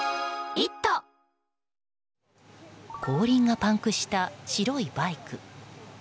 後輪がパンクした白いバイク。